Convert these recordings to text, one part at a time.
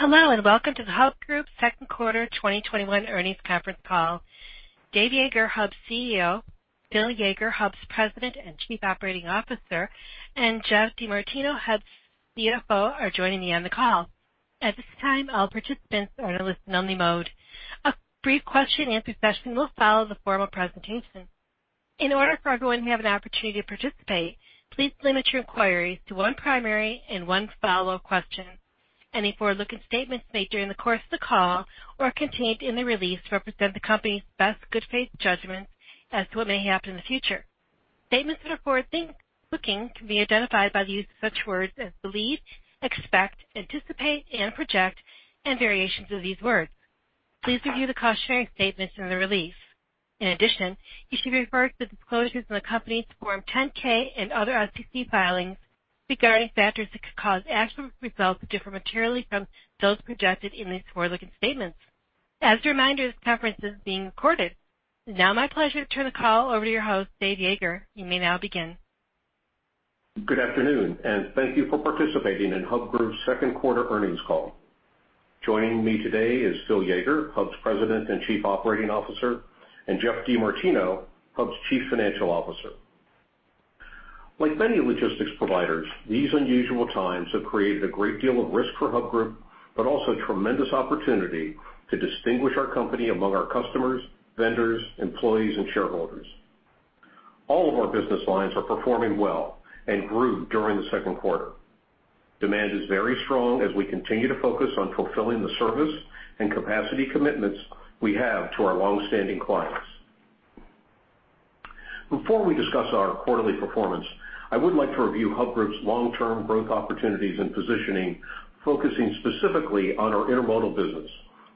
Hello, and welcome to the Hub Group second quarter 2021 earnings conference call. Dave Yeager, Hub's CEO, Phil Yeager, Hub's President and Chief Operating Officer, and Geoff DeMartino, Hub's CFO, are joining me on the call. At this time, all participants are in listen-only mode. A brief question and answer session will follow the formal presentation. In order for everyone to have an opportunity to participate, please limit your inquiries to one primary and one follow-up question. Any forward-looking statements made during the course of the call or contained in the release represent the company's best good faith judgments as to what may happen in the future. Statements that are forward-looking can be identified by the use of such words as believe, expect, anticipate, and project, and variations of these words. Please review the cautionary statements in the release. In addition, you should refer to the disclosures in the company's Form 10-K and other SEC filings regarding factors that could cause actual results to differ materially from those projected in these forward-looking statements. As a reminder, this conference is being recorded. It is now my pleasure to turn the call over to your host, Dave Yeager. You may now begin. Good afternoon, and thank you for participating in Hub Group's second quarter earnings call. Joining me today is Phil Yeager, Hub's President and Chief Operating Officer, and Geoff DeMartino, Hub's Chief Financial Officer. Like many logistics providers, these unusual times have created a great deal of risk for Hub Group, but also tremendous opportunity to distinguish our company among our customers, vendors, employees, and shareholders. All of our business lines are performing well and grew during the second quarter. Demand is very strong as we continue to focus on fulfilling the service and capacity commitments we have to our longstanding clients. Before we discuss our quarterly performance, I would like to review Hub Group's long-term growth opportunities and positioning, focusing specifically on our intermodal business,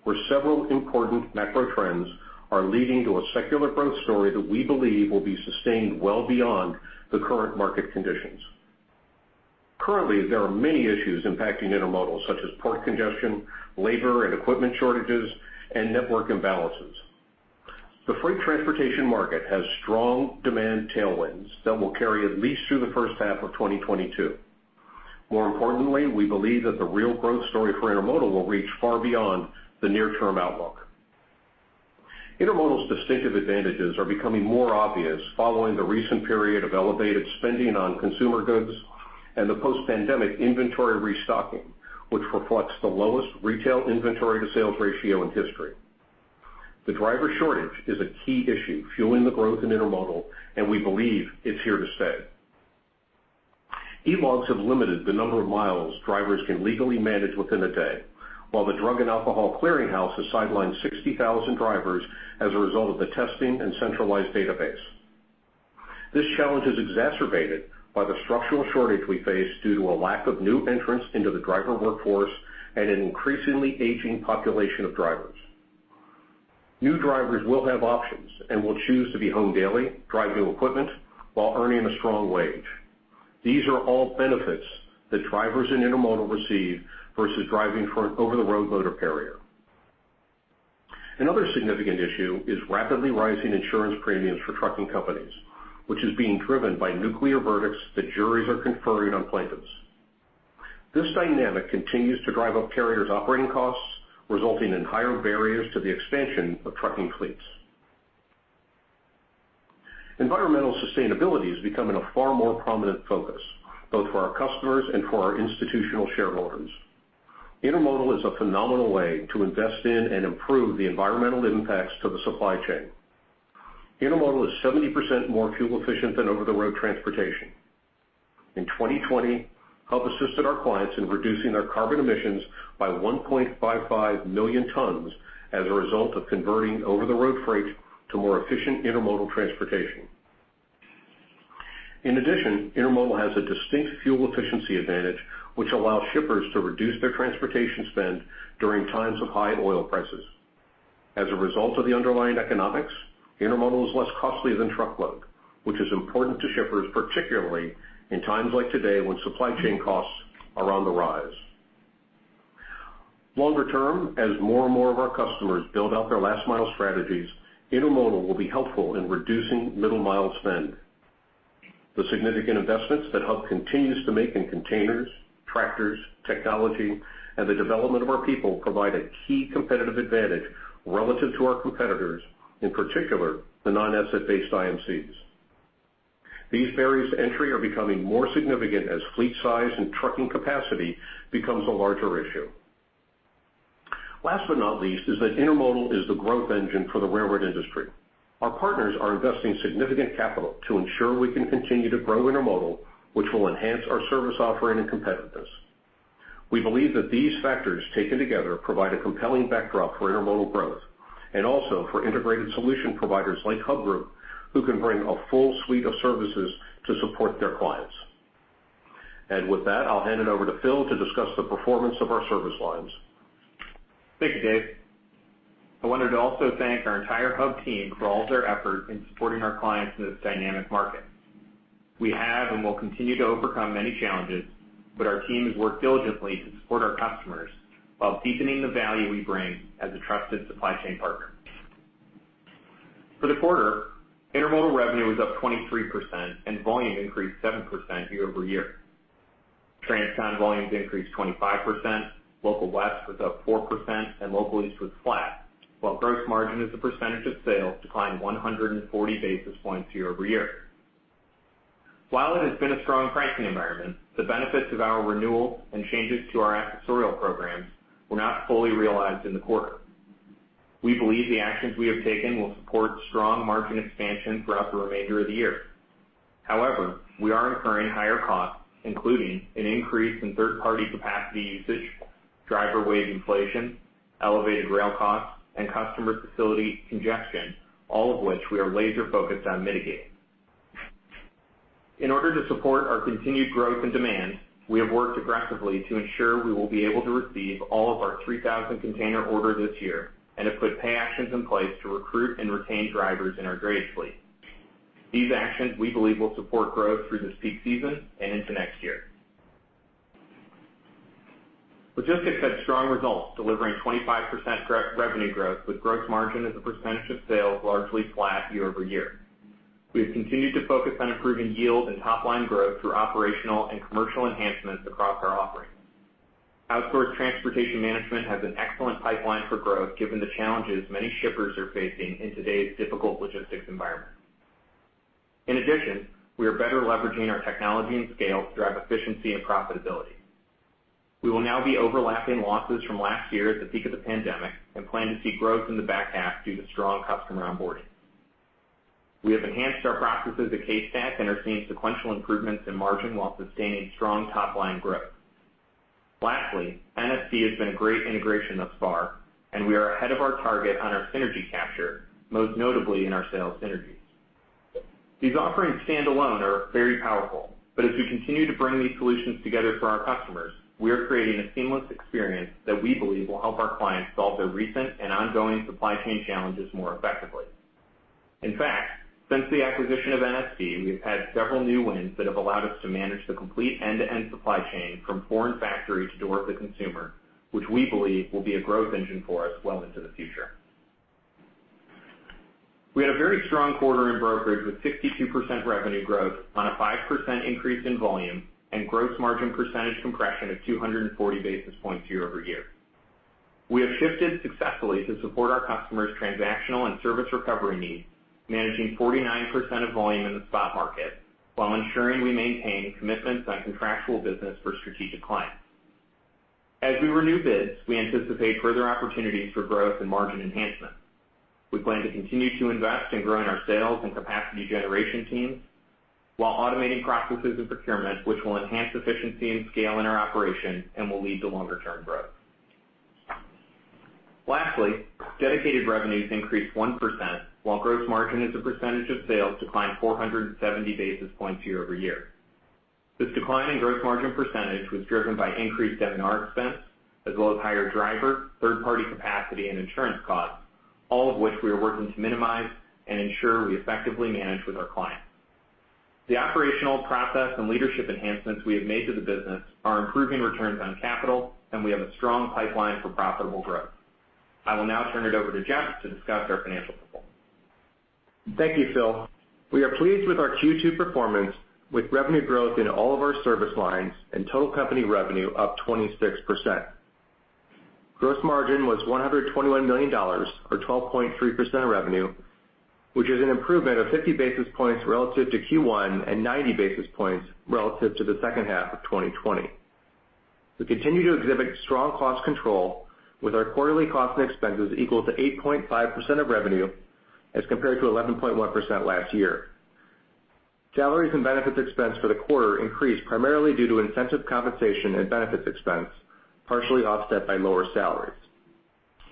where several important macro trends are leading to a secular growth story that we believe will be sustained well beyond the current market conditions. Currently, there are many issues impacting intermodal, such as port congestion, labor and equipment shortages, and network imbalances. The freight transportation market has strong demand tailwinds that will carry at least through the first half of 2022. More importantly, we believe that the real growth story for intermodal will reach far beyond the near-term outlook. Intermodal's distinctive advantages are becoming more obvious following the recent period of elevated spending on consumer goods and the post-pandemic inventory restocking, which reflects the lowest retail inventory to sales ratio in history. The driver shortage is a key issue fueling the growth in intermodal, and we believe it's here to stay. E-Logs have limited the number of miles drivers can legally manage within a day, while the Drug and Alcohol Clearinghouse has sidelined 60,000 drivers as a result of the testing and centralized database. This challenge is exacerbated by the structural shortage we face due to a lack of new entrants into the driver workforce and an increasingly aging population of drivers. New drivers will have options and will choose to be home daily, drive new equipment, while earning a strong wage. These are all benefits that drivers in intermodal receive versus driving for an over-the-road motor carrier. Another significant issue is rapidly rising insurance premiums for trucking companies, which is being driven by nuclear verdicts that juries are conferring on plaintiffs. This dynamic continues to drive up carriers' operating costs, resulting in higher barriers to the expansion of trucking fleets. Environmental sustainability is becoming a far more prominent focus, both for our customers and for our institutional shareholders. Intermodal is a phenomenal way to invest in and improve the environmental impacts to the supply chain. Intermodal is 70% more fuel efficient than over-the-road transportation. In 2020, Hub assisted our clients in reducing their carbon emissions by 1.55 million tons as a result of converting over-the-road freight to more efficient intermodal transportation. In addition, intermodal has a distinct fuel efficiency advantage, which allows shippers to reduce their transportation spend during times of high oil prices. As a result of the underlying economics, intermodal is less costly than truckload, which is important to shippers, particularly in times like today when supply chain costs are on the rise. Longer term, as more and more of our customers build out their last-mile strategies, intermodal will be helpful in reducing middle-mile spend. The significant investments that Hub continues to make in containers, tractors, technology, and the development of our people provide a key competitive advantage relative to our competitors, in particular, the non-asset-based IMCs. These barriers to entry are becoming more significant as fleet size and trucking capacity becomes a larger issue. Last but not least, is that intermodal is the growth engine for the railroad industry. Our partners are investing significant capital to ensure we can continue to grow intermodal, which will enhance our service offering and competitiveness. We believe that these factors, taken together, provide a compelling backdrop for intermodal growth, and also for integrated solution providers like Hub Group, who can bring a full suite of services to support their clients. With that, I'll hand it over to Phil to discuss the performance of our service lines. Thank you, Dave. I wanted to also thank our entire Hub team for all of their effort in supporting our clients in this dynamic market. We have and will continue to overcome many challenges, but our team has worked diligently to support our customers while deepening the value we bring as a trusted supply chain partner. For the quarter, intermodal revenue was up 23% and volume increased 7% year-over-year. Transcon volumes increased 25%, local West was up 4%, and local East was flat. While gross margin as a percentage of sales declined 140 basis points year-over-year. While it has been a strong pricing environment, the benefits of our renewal and changes to our accessorial programs were not fully realized in the quarter. We believe the actions we have taken will support strong margin expansion throughout the remainder of the year. However, we are incurring higher costs, including an increase in third-party capacity usage, driver wage inflation, elevated rail costs, and customer facility congestion, all of which we are laser-focused on mitigating. In order to support our continued growth and demand, we have worked aggressively to ensure we will be able to receive all of our 3,000 container orders this year, and have put pay actions in place to recruit and retain drivers in our dedicated fleet. These actions, we believe, will support growth through this peak season and into next year. Logistics had strong results, delivering 25% revenue growth with gross margin as a percentage of sales largely flat year-over-year. We have continued to focus on improving yield and top-line growth through operational and commercial enhancements across our offerings. Outsourced Transportation Management has an excellent pipeline for growth given the challenges many shippers are facing in today's difficult logistics environment. We are better leveraging our technology and scale to drive efficiency and profitability. We will now be overlapping losses from last year at the peak of the pandemic and plan to see growth in the back half due to strong customer onboarding. We have enhanced our processes at CaseStack and are seeing sequential improvements in margin while sustaining strong top-line growth. Lastly, NSD has been a great integration thus far, and we are ahead of our target on our synergy capture, most notably in our sales synergies. These offerings stand alone are very powerful, but as we continue to bring these solutions together for our customers, we are creating a seamless experience that we believe will help our clients solve their recent and ongoing supply chain challenges more effectively. In fact, since the acquisition of NSD, we have had several new wins that have allowed us to manage the complete end-to-end supply chain from foreign factory to door to consumer, which we believe will be a growth engine for us well into the future. We had a very strong quarter in brokerage with 62% revenue growth on a 5% increase in volume and gross margin percentage compression of 240 basis points year-over-year. We have shifted successfully to support our customers' transactional and service recovery needs, managing 49% of volume in the spot market while ensuring we maintain commitments on contractual business for strategic clients. As we renew bids, we anticipate further opportunities for growth and margin enhancement. We plan to continue to invest in growing our sales and capacity generation teams while automating processes and procurement, which will enhance efficiency and scale in our operation and will lead to longer-term growth. Lastly, dedicated revenues increased 1%, while gross margin as a percentage of sales declined 470 basis points year-over-year. This decline in gross margin percentage was driven by increased M&R expense, as well as higher driver, third-party capacity, and insurance costs, all of which we are working to minimize and ensure we effectively manage with our clients. The operational process and leadership enhancements we have made to the business are improving returns on capital, and we have a strong pipeline for profitable growth. I will now turn it over to Geoff to discuss our financial performance. Thank you, Phil. We are pleased with our Q2 performance with revenue growth in all of our service lines and total company revenue up 26%. Gross margin was $121 million, or 12.3% of revenue, which is an improvement of 50 basis points relative to Q1 and 90 basis points relative to the second half of 2020. We continue to exhibit strong cost control with our quarterly cost and expenses equal to 8.5% of revenue as compared to 11.1% last year. Salaries and benefits expense for the quarter increased primarily due to incentive compensation and benefits expense, partially offset by lower salaries.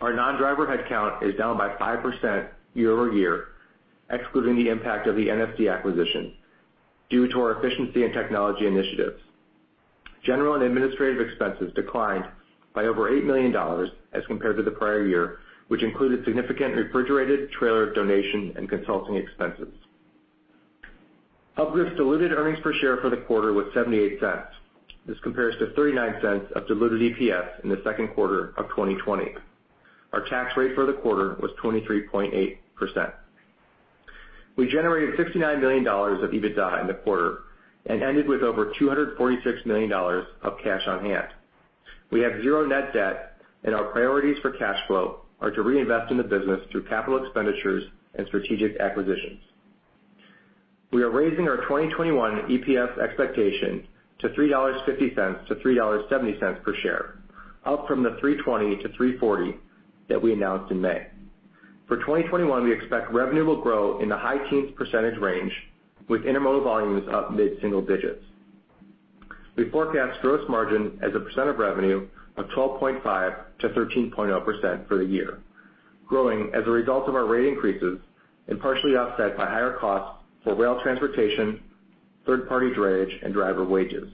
Our non-driver headcount is down by 5% year-over-year, excluding the impact of the NSD acquisition, due to our efficiency and technology initiatives. General and administrative expenses declined by over $8 million as compared to the prior year, which included significant refrigerated trailer donation and consulting expenses. Hub Group's diluted earnings per share for the quarter was $0.78. This compares to $0.39 of diluted EPS in the second quarter of 2020. Our tax rate for the quarter was 23.8%. We generated $69 million of EBITDA in the quarter and ended with over $246 million of cash on hand. We have zero net debt, and our priorities for cash flow are to reinvest in the business through capital expenditures and strategic acquisitions. We are raising our 2021 EPS expectation to $3.50-$3.70 per share, up from the $3.20-$3.40 that we announced in May. For 2021, we expect revenue will grow in the high teens percentage range, with intermodal volumes up mid-single digits. We forecast gross margin as a percent of revenue of 12.5%-13.0% for the year, growing as a result of our rate increases and partially offset by higher costs for rail transportation, third-party drayage, and driver wages.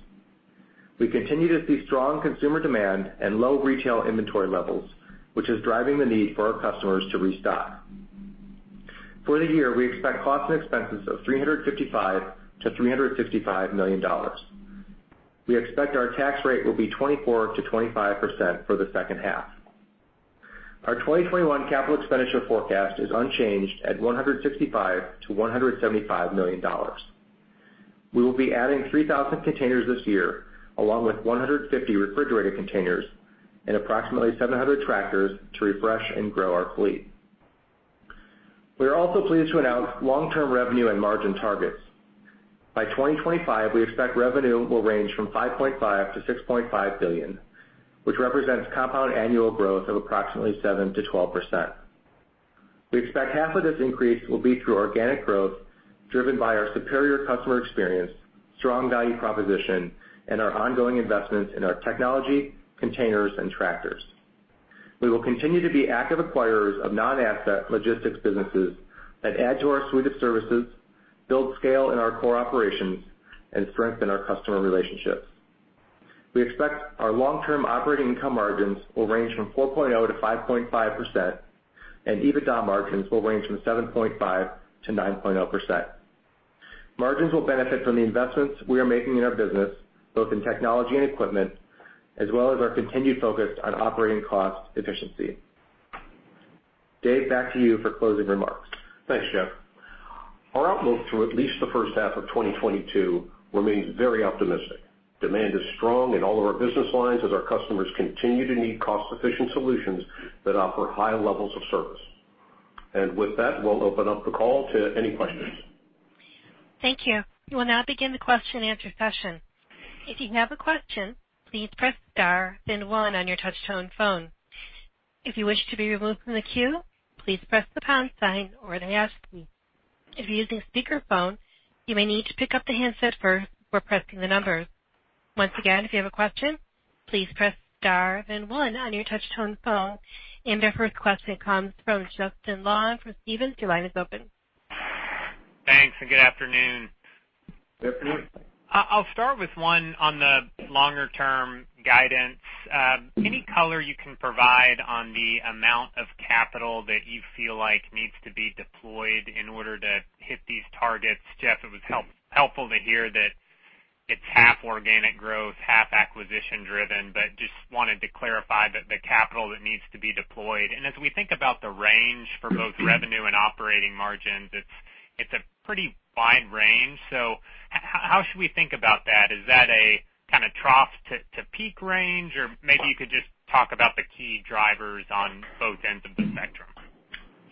We continue to see strong consumer demand and low retail inventory levels, which is driving the need for our customers to restock. For the year, we expect costs and expenses of $355 million-$365 million. We expect our tax rate will be 24%-25% for the second half. Our 2021 capital expenditure forecast is unchanged at $165 million-$175 million. We will be adding 3,000 containers this year, along with 150 refrigerated containers and approximately 700 tractors to refresh and grow our fleet. We are also pleased to announce long-term revenue and margin targets. By 2025, we expect revenue will range from $5.5 billion-$6.5 billion, which represents compound annual growth of approximately 7%-12%. We expect half of this increase will be through organic growth, driven by our superior customer experience, strong value proposition, and our ongoing investments in our technology, containers, and tractors. We will continue to be active acquirers of non-asset logistics businesses that add to our suite of services, build scale in our core operations, and strengthen our customer relationships. We expect our long-term operating income margins will range from 4.0%-5.5%, and EBITDA margins will range from 7.5%-9.0%. Margins will benefit from the investments we are making in our business, both in technology and equipment, as well as our continued focus on operating cost efficiency. Dave, back to you for closing remarks. Thanks, Geoff. Our outlook through at least the first half of 2022 remains very optimistic. Demand is strong in all of our business lines as our customers continue to need cost-efficient solutions that offer high levels of service. With that, we'll open up the call to any questions. Thank you. We will now begin the question and answer session. If you have a question, please press star, then one on your touchphone. If you wish to be removed from the queue, please press the pound sign or the X key. If you use a speakerphone, you may need to pick up the handset before pressing the numbers. Once again, if you have a question, please press star, then one on your touchphone, and if your request comes through, the line will open. Our first question comes from Justin Long from Stephens. Your line is open. Thanks, and good afternoon. Good afternoon. I'll start with one on the longer-term guidance. Any color you can provide on the amount of capital that you feel like needs to be deployed in order to hit these targets? Geoff, it was helpful to hear that it's half organic growth, half acquisition-driven, but just wanted to clarify the capital that needs to be deployed. As we think about the range for both revenue and operating margins, it's a pretty wide range. How should we think about that? Is that a kind of trough-to-peak range? Maybe you could just talk about the key drivers on both ends of the spectrum.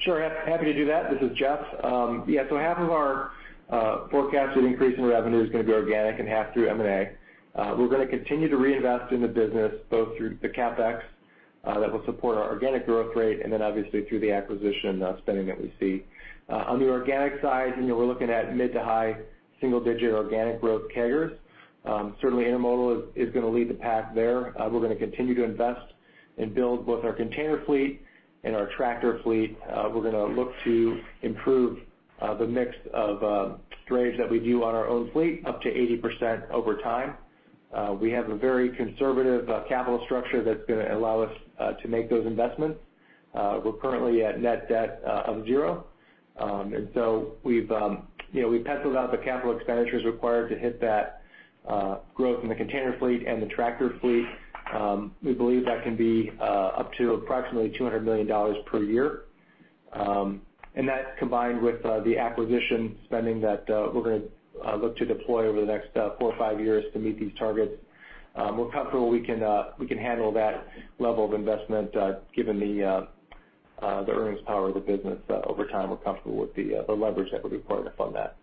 Sure. Happy to do that. This is Geoff. Half of our forecasted increase in revenue is going to be organic and half through M&A. We're going to continue to reinvest in the business, both through the CapEx that will support our organic growth rate, obviously through the acquisition spending that we see. On the organic side, we're looking at mid to high single-digit organic growth CAGRs. Certainly, intermodal is going to lead the pack there. We're going to continue to invest and build both our container fleet and our tractor fleet. We're going to look to improve the mix of drayage that we do on our own fleet, up to 80% over time. We have a very conservative capital structure that's going to allow us to make those investments. We're currently at net debt of zero. We've penciled out the capital expenditures required to hit that growth in the container fleet and the tractor fleet. We believe that can be up to approximately $200 million per year. That, combined with the acquisition spending that we're going to look to deploy over the next four or five years to meet these targets, we're comfortable we can handle that level of investment. Given the earnings power of the business over time, we're comfortable with the leverage that would be required to fund that.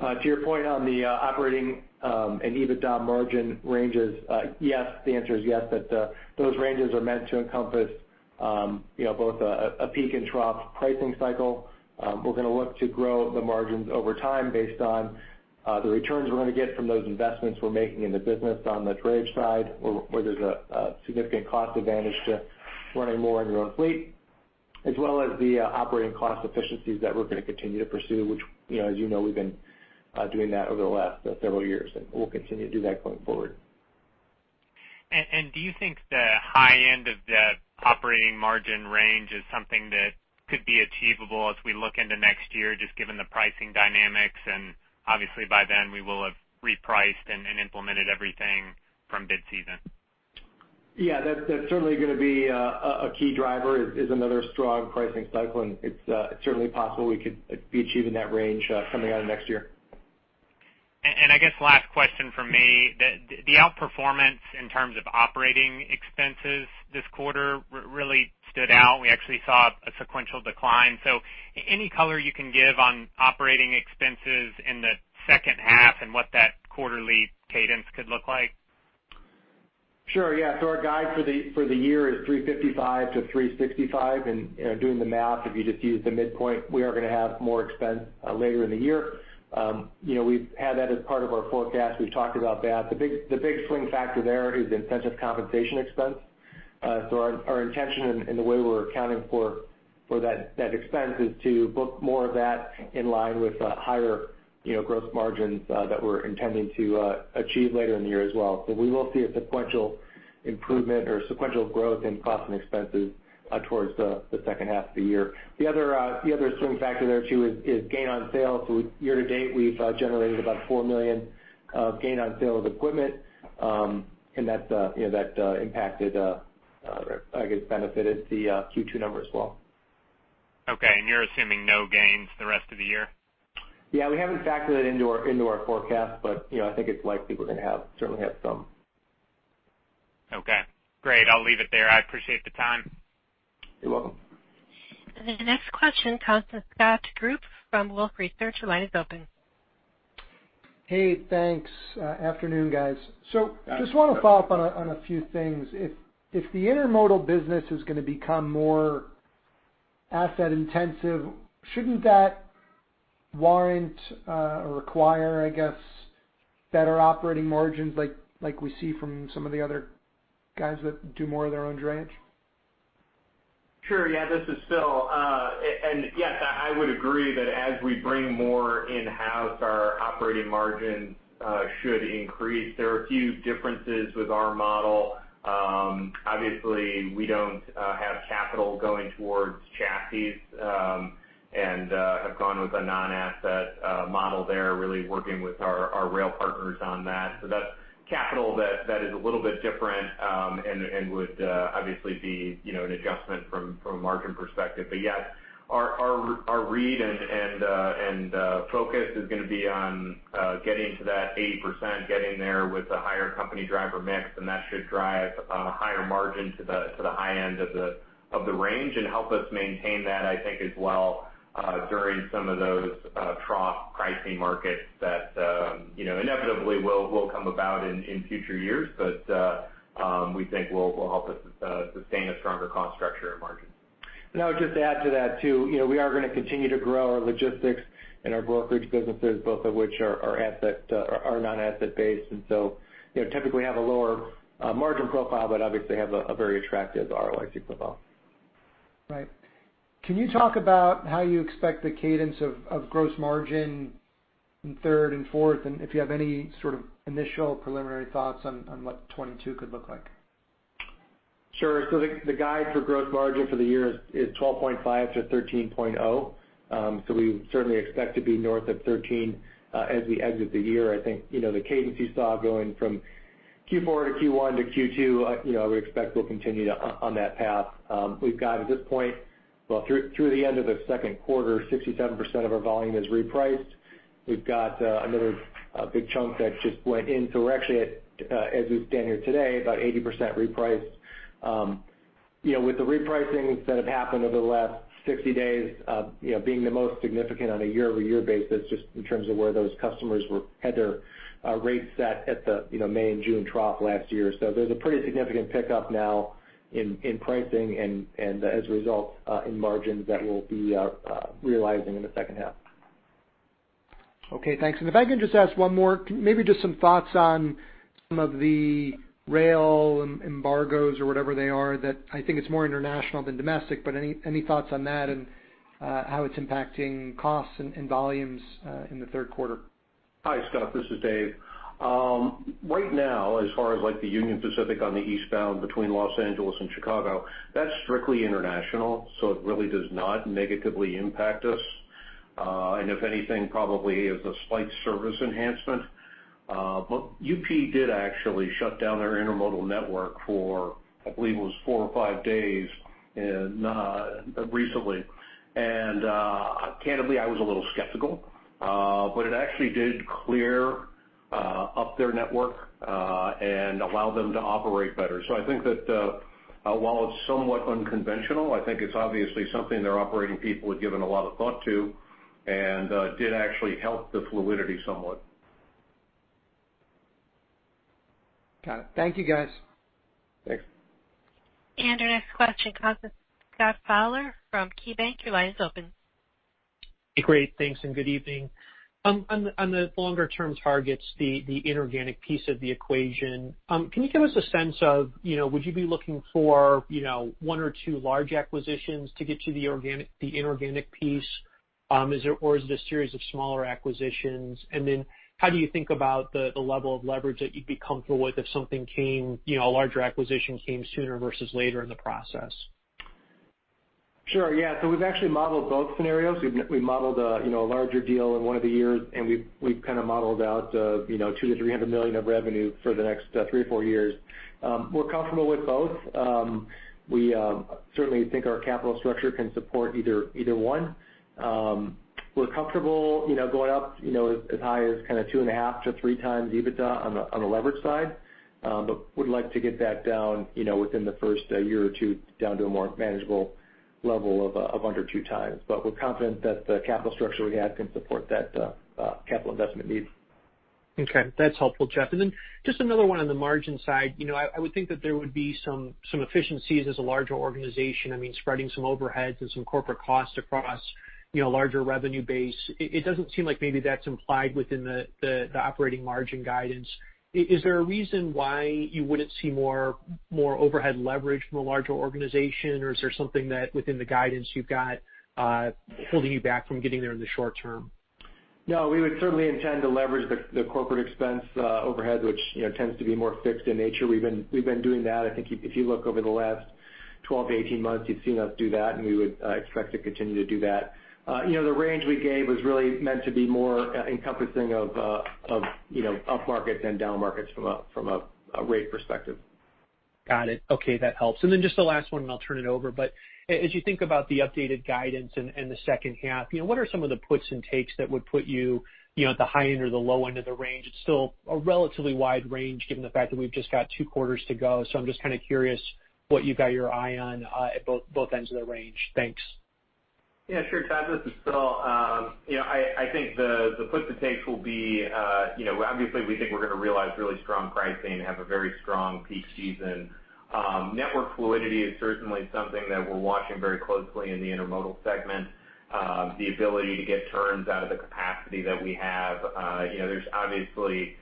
To your point on the operating and EBITDA margin ranges, the answer is yes, that those ranges are meant to encompass both a peak and trough pricing cycle. We're going to look to grow the margins over time based on the returns we're going to get from those investments we're making in the business on the drayage side, where there's a significant cost advantage to running more in your own fleet, as well as the operating cost efficiencies that we're going to continue to pursue, which as you know, we've been doing that over the last several years, and we'll continue to do that going forward. Do you think the high end of the operating margin range is something that could be achievable as we look into next year, just given the pricing dynamics? Obviously by then, we will have repriced and implemented everything from mid-season. Yeah, that's certainly going to be a key driver is another strong pricing cycle, and it's certainly possible we could be achieving that range coming out of next year. I guess last question from me, the outperformance in terms of operating expenses this quarter really stood out. We actually saw a sequential decline. Any color you can give on operating expenses in the second half and what that quarterly cadence could look like? Sure, yeah. Our guide for the year is 355 to 365, and doing the math, if you just use the midpoint, we are going to have more expense later in the year. We've had that as part of our forecast. We've talked about that. The big swing factor there is incentive compensation expense. Our intention in the way we're accounting for that expense is to book more of that in line with higher gross margins that we're intending to achieve later in the year as well. We will see a sequential improvement or sequential growth in costs and expenses towards the second half of the year. The other swing factor there, too, is gain on sale. Year-to-date, we've generated about $4 million of gain on sale of equipment, and that benefited the Q2 number as well. Okay. You're assuming no gains the rest of the year? Yeah, we haven't factored that into our forecast, but I think it's likely we're going to have, certainly have some. Okay, great. I'll leave it there. I appreciate the time. You're welcome. The next question comes with Scott Group from Wolfe Research. Your line is open. Hey, thanks. Afternoon, guys. Just want to follow up on a few things. If the intermodal business is going to become more asset intensive, shouldn't that warrant or require, I guess, better operating margins like we see from some of the other guys that do more of their own drayage? Sure. Yeah, this is Phil. Yes, I would agree that as we bring more in-house, our operating margin should increase. There are a few differences with our model. Obviously, we don't have capital going towards chassis, and have gone with a non-asset model there, really working with our rail partners on that. That's capital that is a little bit different, and would obviously be an adjustment from a margin perspective. Yes, our read and focus is going to be on getting to that 80%, getting there with a higher company driver mix, and that should drive a higher margin to the high end of the range and help us maintain that, I think, as well, during some of those trough pricing markets that inevitably will come about in future years. We think will help us sustain a stronger cost structure and margin. I would just add to that, too, we are going to continue to grow our logistics and our brokerage businesses, both of which are non-asset based. Typically have a lower margin profile, but obviously have a very attractive ROIC profile. Right. Can you talk about how you expect the cadence of gross margin in third and fourth, and if you have any sort of initial preliminary thoughts on what 2022 could look like? Sure. The guide for gross margin for the year is 12.5%-13.0%. We certainly expect to be north of 13% as we exit the year. I think the cadence you saw going from Q4 to Q1 to Q2, we expect we'll continue on that path. We've got, at this point, well through the end of the second quarter, 67% of our volume is repriced. We've got another big chunk that just went in. We're actually at, as we stand here today, about 80% repriced. With the repricings that have happened over the last 60 days, being the most significant on a year-over-year basis, just in terms of where those customers had their rates set at the May and June trough last year. There's a pretty significant pickup now in pricing and as a result, in margins that we'll be realizing in the second half. Okay, thanks. If I can just ask one more, maybe just some thoughts on some of the rail embargoes or whatever they are that I think it's more international than domestic, but any thoughts on that and how it's impacting costs and volumes in the third quarter? Hi, Scott, this is Dave. Right now, as far as the Union Pacific on the eastbound between Los Angeles and Chicago, that's strictly international, so it really does not negatively impact us. If anything, probably is a slight service enhancement. UP did actually shut down their intermodal network for, I believe it was four or five days recently. Candidly, I was a little skeptical. It actually did clear up their network, and allowed them to operate better. I think that, while it's somewhat unconventional, I think it's obviously something their operating people had given a lot of thought to and did actually help the fluidity somewhat. Got it. Thank you guys. Thanks. Our next question comes in. Todd Fowler from KeyBanc, your line is open. Great. Thanks, good evening. On the longer-term targets, the inorganic piece of the equation, can you give us a sense of would you be looking for, you know, one or two large acquisitions to get to the inorganic piece? Is it a series of smaller acquisitions? How do you think about the level of leverage that you'd be comfortable with if a larger acquisition came sooner versus later in the process? Sure, yeah, we've actually modeled both scenarios. We've modeled a larger deal in one of the years, and we've kind of modeled out $200 to $300 million of revenue for the next three or four years. We're comfortable with both. We certainly think our capital structure can support either one. We're comfortable going up as high as kind of 2.5 to 3x EBITDA on the leverage side. Would like to get that down within the first year or two down to a more manageable level of under 2x. We're confident that the capital structure we have can support that capital investment need. Okay, that's helpful, Geoff. Just another one on the margin side. I would think that there would be some efficiencies as a larger organization. Spreading some overheads and some corporate costs across larger revenue base. It doesn't seem like maybe that's implied within the operating margin guidance. Is there a reason why you wouldn't see more overhead leverage from a larger organization, or is there something that within the guidance you've got holding you back from getting there in the short term? No, we would certainly intend to leverage the corporate expense overhead, which tends to be more fixed in nature. We've been doing that. I think if you look over the last 12-18 months, you've seen us do that, and we would expect to continue to do that. The range we gave was really meant to be more encompassing of up markets than down markets from a rate perspective. Got it. Okay. That helps. Just the last one, and I'll turn it over. As you think about the updated guidance in the second half, what are some of the puts and takes that would put you at the high end or the low end of the range? It's still a relatively wide range given the fact that we've just got two quarters to go. I'm just kind of curious what you've got your eye on at both ends of the range. Thanks. Yeah, sure, Todd, this is Phil. I think the puts and takes will be, obviously, we think we're going to realize really strong pricing and have a very strong peak season. Network fluidity is certainly something that we're watching very closely in the intermodal segment. The ability to get turns out of the capacity that we have. There's obviously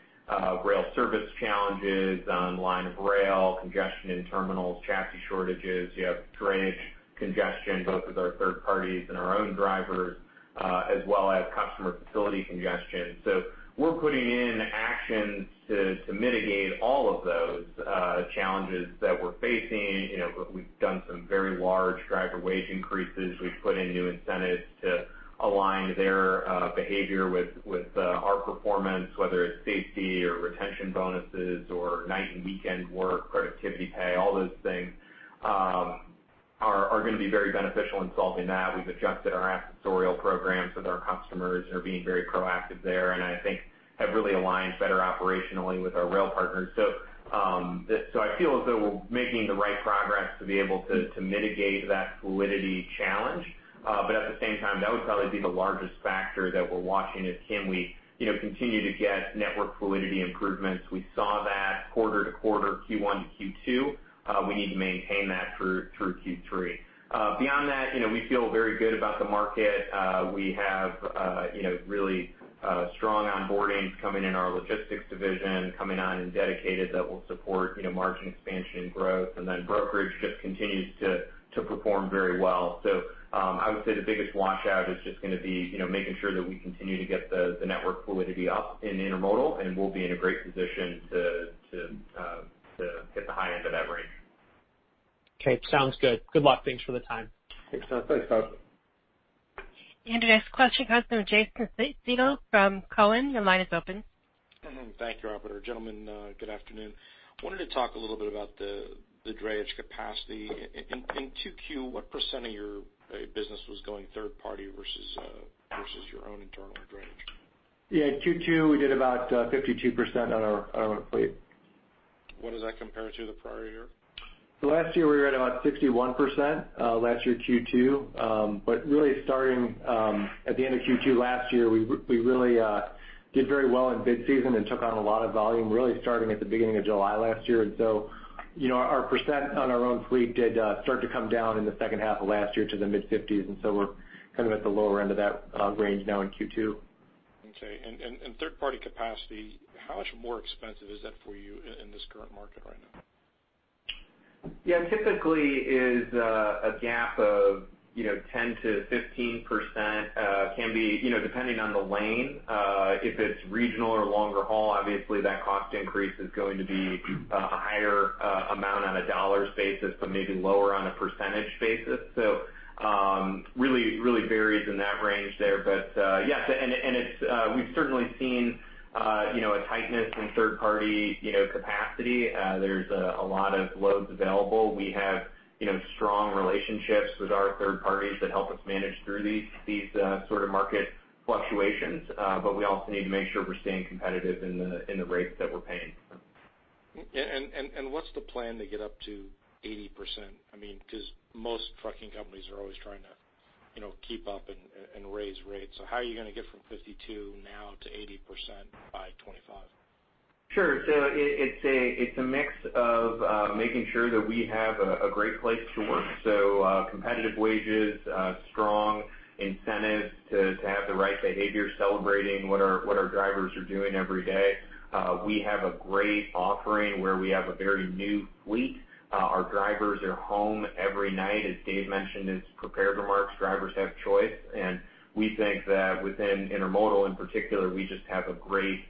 rail service challenges on line of rail, congestion in terminals, chassis shortages. You have drayage congestion, both with our third parties and our own drivers, as well as customer facility congestion. We're putting in actions to mitigate all of those challenges that we're facing. We've done some very large driver wage increases. We've put in new incentives to align their behavior with our performance, whether it's safety or retention bonuses or night and weekend work, productivity pay, all those things are going to be very beneficial in solving that. We've adjusted [our asset tutorial] programs with our customers and are being very proactive there, and I think have really aligned better operationally with our rail partners. I feel as though we're making the right progress to be able to mitigate that fluidity challenge. At the same time, that would probably be the largest factor that we're watching is can we continue to get network fluidity improvements? We saw that quarter-to-quarter Q1-Q2. We need to maintain that through Q3. Beyond that, we feel very good about the market. We have really strong onboardings coming in our logistics division, coming on in dedicated that will support margin expansion and growth. Brokerage just continues to perform very well. I would say the biggest washout is just going to be making sure that we continue to get the network fluidity up in intermodal, and we'll be in a great position to hit the high end of that range. Okay. Sounds good. Good luck. Thanks for the time. Thanks, Todd. Your next question comes from Jason Seidl from Cowen. Your line is open. Thank you, operator. Gentlemen, good afternoon. Wanted to talk a little bit about the drayage capacity. In 2Q, what % of your business was going third party versus your own internal drayage? Yeah, in Q2, we did about 52% on our own fleet. What does that compare to the prior year? Last year, we were at about 61%, last year Q2. Really starting at the end of Q2 last year, we really did very well in bid season and took on a lot of volume, really starting at the beginning of July last year. Our percent on our own fleet did start to come down in the second half of last year to the mid-50s, and so we're kind of at the lower end of that range now in Q2. Okay. Third-party capacity, how much more expensive is that for you in this current market right now? Yeah, typically is a gap of 10%-15%, can be depending on the lane, if it's regional or longer haul, obviously that cost increase is going to be a higher amount on a dollar basis, but maybe lower on a percentage basis. Really varies in that range there. Yes, we've certainly seen a tightness in third-party capacity. There's a lot of loads available. We have strong relationships with our third parties that help us manage through these sort of market fluctuations. We also need to make sure we're staying competitive in the rates that we're paying. What's the plan to get up to 80%? Most trucking companies are always trying to keep up and raise rates. How are you going to get from 52 now to 80% by 2025? Sure. It's a mix of making sure that we have a great place to work. Competitive wages, strong incentives to have the right behavior, celebrating what our drivers are doing every day. We have a great offering where we have a very new fleet. Our drivers are home every night. As Dave mentioned in his prepared remarks, drivers have choice, and we think that within intermodal in particular, we just have a great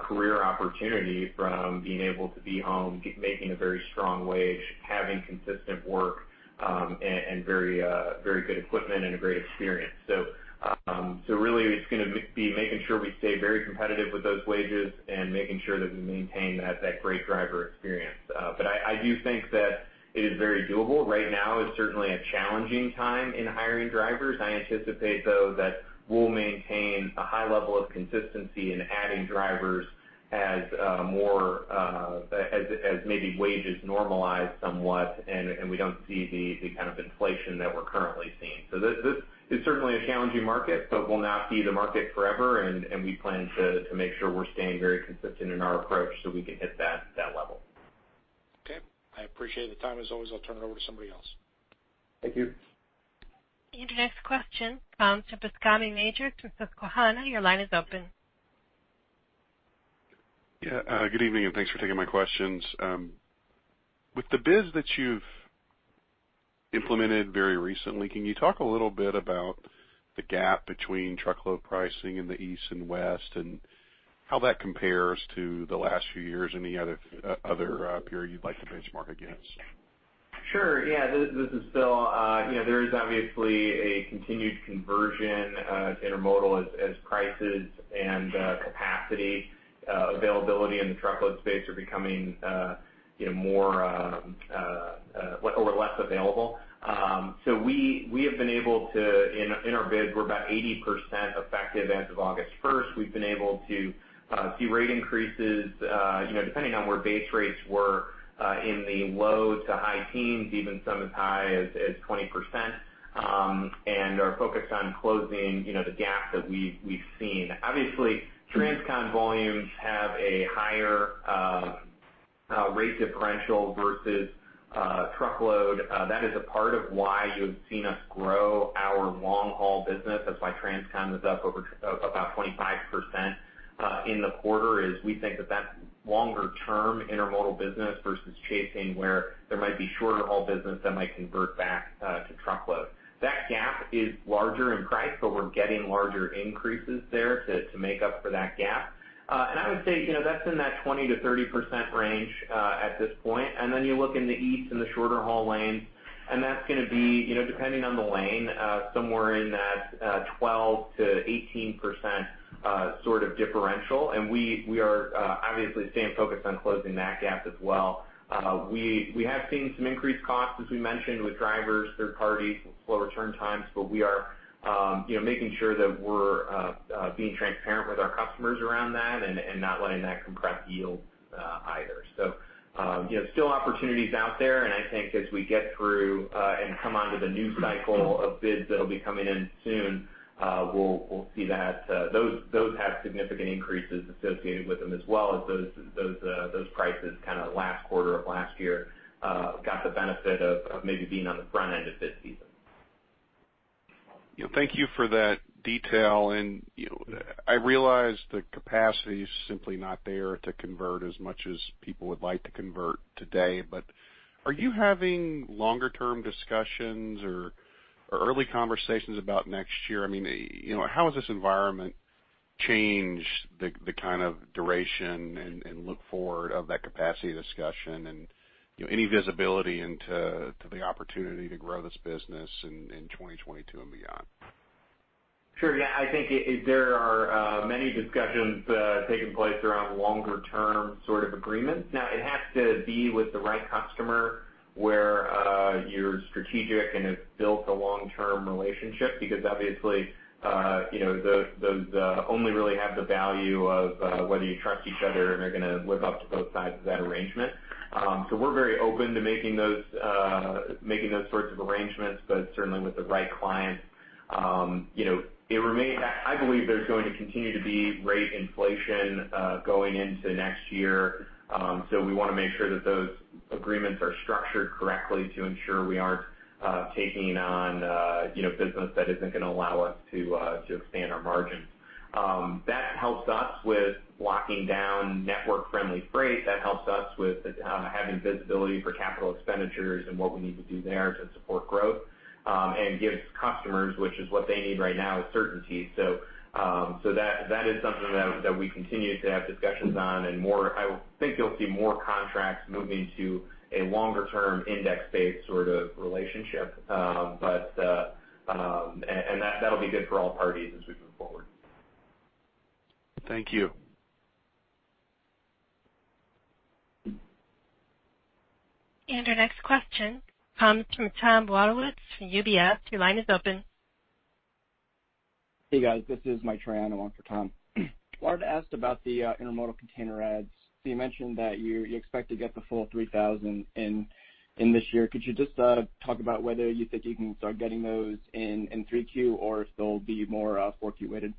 career opportunity from being able to be home, making a very strong wage, having consistent work, and very good equipment, and a great experience. Really it's going to be making sure we stay very competitive with those wages and making sure that we maintain that great driver experience. I do think that it is very doable. Right now is certainly a challenging time in hiring drivers. I anticipate, though, that we'll maintain a high level of consistency in adding drivers as maybe wages normalize somewhat, and we don't see the kind of inflation that we're currently seeing. It's certainly a challenging market, but will not be the market forever, and we plan to make sure we're staying very consistent in our approach so we can hit that level. Okay. I appreciate the time, as always. I'll turn it over to somebody else. Thank you. The next question comes from Bascome Majors, Susquehanna, your line is open. Yeah. Good evening, and thanks for taking my questions. With the bids that you've implemented very recently, can you talk a little bit about the gap between truckload pricing in the East and West, and how that compares to the last few years? Any other period you'd like to benchmark against? Sure. Yeah. This is Phil. There is obviously a continued conversion to intermodal as prices and capacity availability in the truckload space are becoming less available. We have been able to, in our bid, we're about 80% effective as of August 1st. We've been able to see rate increases depending on where base rates were in the low to high teens, even some as high as 20%, and are focused on closing the gap that we've seen. Obviously, transcon volumes have a higher rate differential versus truckload. That is a part of why you have seen us grow our long-haul business. That's why transcon was up over about 25% in the quarter, is we think that that's longer term intermodal business versus chasing where there might be shorter haul business that might convert back to truckload. That gap is larger in price, but we're getting larger increases there to make up for that gap. I would say, that's in that 20%-30% range at this point. You look in the East and the shorter haul lanes, and that's going to be, depending on the lane, somewhere in that 12%-18% sort of differential, and we are obviously staying focused on closing that gap as well. We have seen some increased costs, as we mentioned, with drivers, third parties, slow return times, but we are making sure that we're being transparent with our customers around that and not letting that compress yields either. Still opportunities out there, and I think as we get through and come onto the new cycle of bids that'll be coming in soon, we'll see that those have significant increases associated with them, as well as those prices kind of last quarter of last year got the benefit of maybe being on the front end of bid season. Thank you for that detail. I realize the capacity's simply not there to convert as much as people would like to convert today, are you having longer term discussions or early conversations about next year? How has this environment changed the kind of duration and look forward of that capacity discussion? Any visibility into the opportunity to grow this business in 2022 and beyond? Sure. Yeah. I think there are many discussions taking place around longer-term sort of agreements. It has to be with the right customer where you're strategic and have built a long-term relationship because obviously, those only really have the value of whether you trust each other and are going to live up to both sides of that arrangement. We're very open to making those sorts of arrangements, but certainly with the right clients. I believe there's going to continue to be rate inflation going into next year. We want to make sure that those agreements are structured correctly to ensure we aren't taking on business that isn't going to allow us to expand our margin. That helps us with locking down network-friendly freight. That helps us with having visibility for capital expenditures and what we need to do there to support growth, and gives customers, which is what they need right now, is certainty. That is something that we continue to have discussions on, I think you'll see more contracts moving to a longer term index-based sort of relationship. That'll be good for all parties as we move forward. Thank you. Our next question comes from Tom Wadewitz from UBS. Your line is open. Hey, guys, this is Maitrayan. I'm on for Tom. Wanted to ask about the intermodal container adds. You mentioned that you expect to get the full 3,000 in this year. Could you just talk about whether you think you can start getting those in 3Q or if they'll be more 4Q weighted?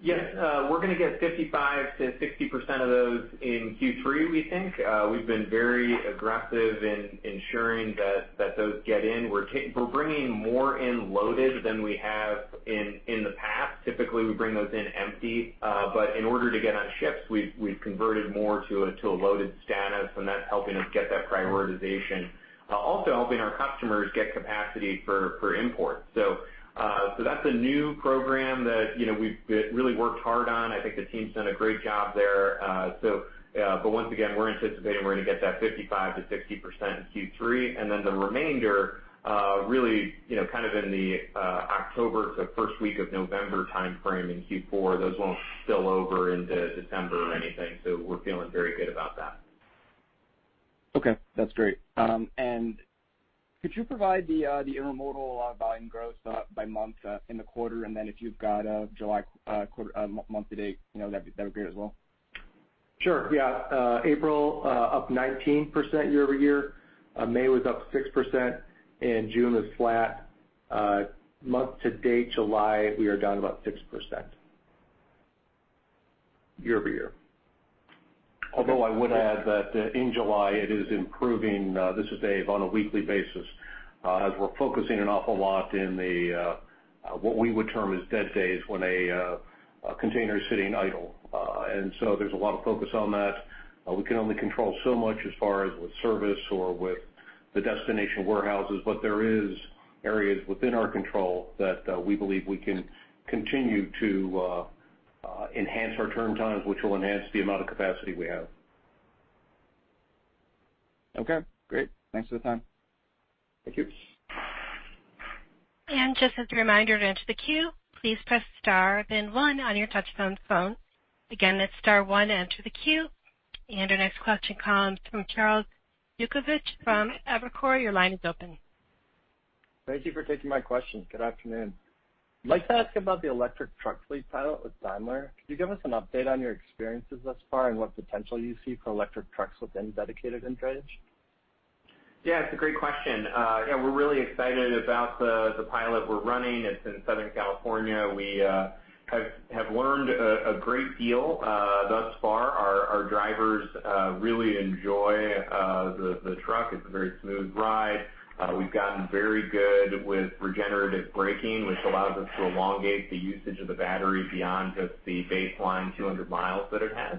Yes. We're going to get 55%-60% of those in Q3, we think. We've been very aggressive in ensuring that those get in. We're bringing more in loaded than we have in the past. Typically, we bring those in empty. In order to get on ships, we've converted more to a loaded status, and that's helping us get that prioritization. Also helping our customers get capacity for imports. That's a new program that we've really worked hard on. I think the team's done a great job there. Once again, we're anticipating we're going to get that 55%-60% in Q3, and then the remainder really kind of in the October to 1st week of November timeframe in Q4. Those won't spill over into December or anything. We're feeling very good about that. Okay, that's great. Could you provide the intermodal volume growth by month in the quarter? Then if you've got July month-to-date, that'd be great as well. Sure. Yeah. April up 19% year-over-year. May was up 6%, and June was flat. Month to date July, we are down about 6% year-over-year. I would add that in July it is improving, this is Dave, on a weekly basis, as we're focusing an awful lot in what we would term as dead days when a container is sitting idle. There's a lot of focus on that. We can only control so much as far as with service or with the destination warehouses. There is areas within our control that we believe we can continue to enhance our turn times, which will enhance the amount of capacity we have. Okay, great. Thanks for the time. Thank you. Just as a reminder to enter the queue, please press star then one on your touchtone phone. That's star one to enter the queue. Our next question comes from Charles Yukevich from Evercore. Your line is open. Thank you for taking my question. Good afternoon. I'd like to ask about the electric truck fleet pilot with Daimler. Could you give us an update on your experiences thus far and what potential you see for electric trucks within dedicated and drayage? It's a great question. We're really excited about the pilot we're running. It's in Southern California. We have learned a great deal thus far. Our drivers really enjoy the truck. It's a very smooth ride. We've gotten very good with regenerative braking, which allows us to elongate the usage of the battery beyond just the baseline 200 miles that it has.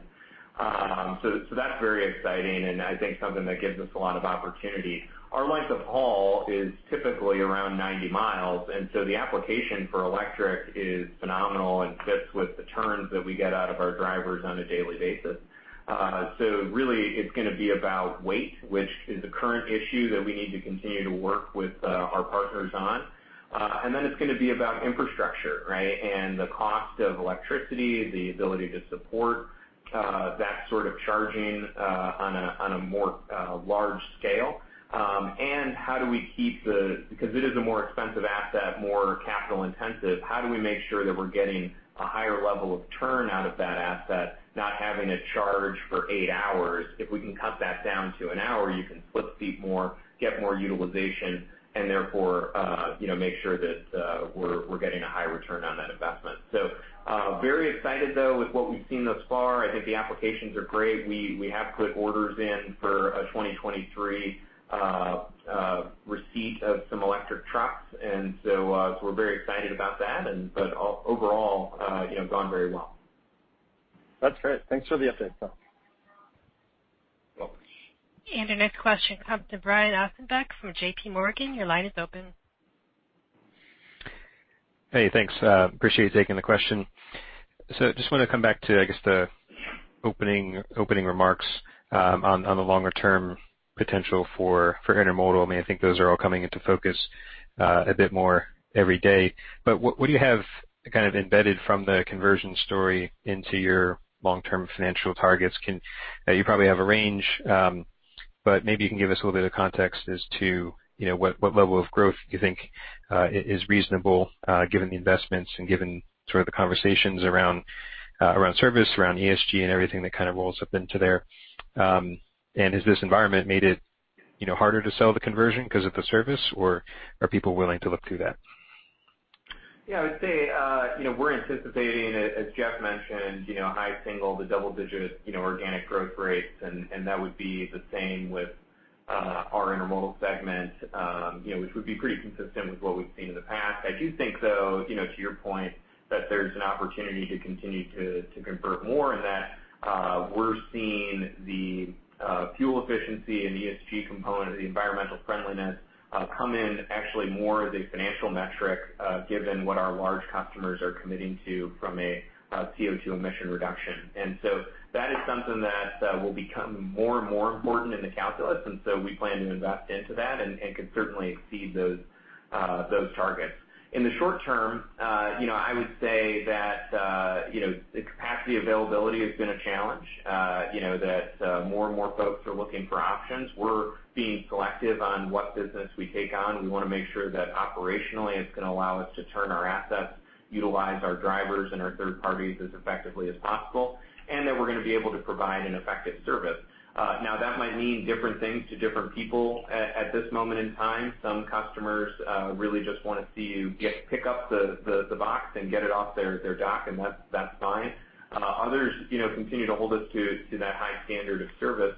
That's very exciting, and I think something that gives us a lot of opportunity. Our length of haul is typically around 90 miles, the application for electric is phenomenal and fits with the turns that we get out of our drivers on a daily basis. Really, it's going to be about weight, which is a current issue that we need to continue to work with our partners on. It's going to be about infrastructure, right? The cost of electricity, the ability to support that sort of charging on a more large scale. Because it is a more expensive asset, more capital intensive, how do we make sure that we're getting a higher level of turn out of that asset, not having it charge for eight hours? If we can cut that down to one hour, you can flip seat more, get more utilization, and therefore, make sure that we're getting a high return on that investment. Very excited though with what we've seen thus far. I think the applications are great. We have put orders in for a 2023 receipt of some electric trucks, and so we're very excited about that. Overall, gone very well. That's great. Thanks for the update, Phil. Welcome. Our next question comes to Brian Ossenbeck from JPMorgan. Your line is open. Hey, thanks. Appreciate you taking the question. Just want to come back to, I guess, the opening remarks on the longer term potential for intermodal. I think those are all coming into focus a bit more every day. What do you have embedded from the conversion story into your long-term financial targets? You probably have a range, but maybe you can give us a little bit of context as to what level of growth you think is reasonable given the investments and given the conversations around service, around ESG, and everything that kind of rolls up into there. Has this environment made it harder to sell the conversion because of the service, or are people willing to look through that? Yeah, I would say we're anticipating, as Geoff mentioned, high single- to double-digit organic growth rates, and that would be the same with our intermodal segment, which would be pretty consistent with what we've seen in the past. I do think, though, to your point, that there's an opportunity to continue to convert more in that we're seeing the fuel efficiency and ESG component of the environmental friendliness come in actually more as a financial metric given what our large customers are committing to from a CO2 emission reduction. That is something that will become more and more important in the calculus, and so we plan to invest into that and could certainly exceed those targets. In the short term, I would say that the capacity availability has been a challenge, that more and more folks are looking for options. We're being selective on what business we take on. We want to make sure that operationally, it's going to allow us to turn our assets, utilize our drivers and our third parties as effectively as possible, and that we're going to be able to provide an effective service. Now, that might mean different things to different people at this moment in time. Some customers really just want to see you pick up the box and get it off their dock, and that's fine. Others continue to hold us to that high standard of service.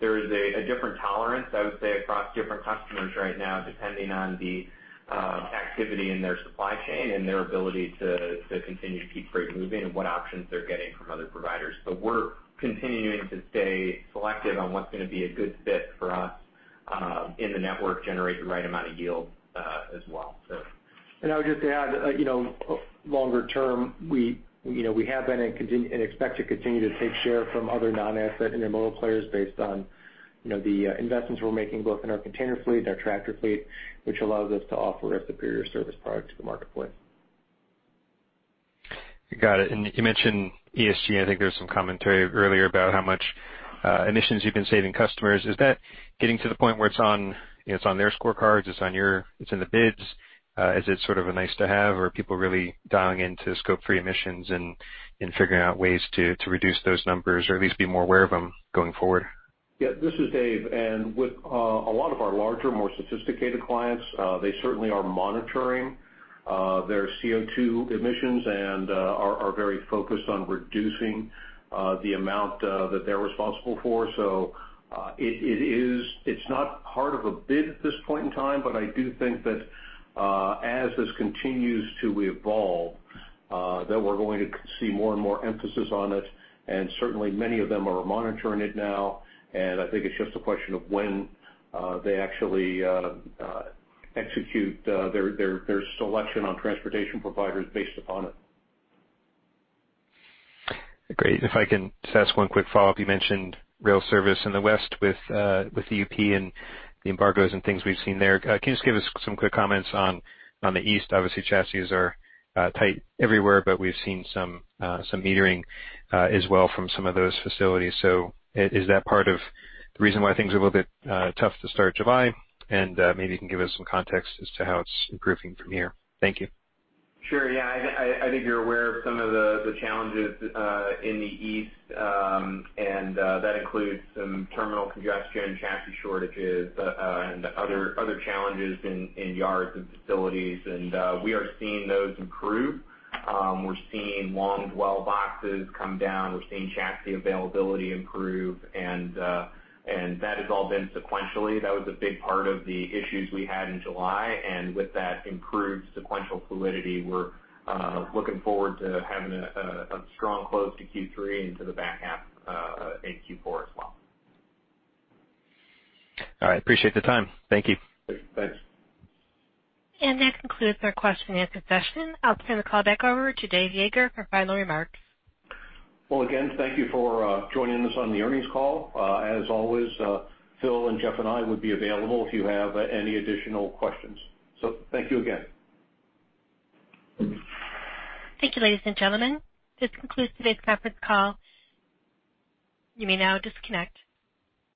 There is a different tolerance, I would say, across different customers right now, depending on the activity in their supply chain and their ability to continue to keep freight moving and what options they're getting from other providers. We're continuing to stay selective on what's going to be a good fit for us in the network, generate the right amount of yield as well. I would just add, longer term, we have been and expect to continue to take share from other non-asset intermodal players based on the investments we're making, both in our container fleet and our tractor fleet, which allows us to offer a superior service product to the marketplace. Got it. You mentioned ESG, and I think there was some commentary earlier about how much emissions you've been saving customers. Is that getting to the point where it's on their scorecards, it's in the bids? Is it sort of a nice to have, or are people really dialing into Scope 3 emissions and figuring out ways to reduce those numbers, or at least be more aware of them going forward? Yeah, this is Dave. With a lot of our larger, more sophisticated clients, they certainly are monitoring their CO2 emissions and are very focused on reducing the amount that they're responsible for. It's not part of a bid at this point in time, but I do think that as this continues to evolve, that we're going to see more and more emphasis on it, and certainly many of them are monitoring it now. I think it's just a question of when they actually execute their selection on transportation providers based upon it. Great. If I can just ask one quick follow-up. You mentioned rail service in the West with UP and the embargoes and things we've seen there. Can you just give us some quick comments on the East? Obviously, chassis are tight everywhere, but we've seen some metering as well from some of those facilities. Is that part of the reason why things are a little bit tough to start July? Maybe you can give us some context as to how it's improving from here. Thank you. Sure. Yeah. I think you're aware of some of the challenges in the East, that includes some terminal congestion, chassis shortages, and other challenges in yards and facilities. We are seeing those improve. We're seeing long dwell boxes come down. We're seeing chassis availability improve, and that has all been sequentially. That was a big part of the issues we had in July. With that improved sequential fluidity, we're looking forward to having a strong close to Q3 into the back half in Q4 as well. All right. Appreciate the time. Thank you. Thanks. That concludes our question and answer session. I'll turn the call back over to Dave Yeager for final remarks. Well, again, thank you for joining us on the earnings call. As always Phil and Geoff and I would be available if you have any additional questions. Thank you again. Thank you, ladies and gentlemen. This concludes today's conference call. You may now disconnect.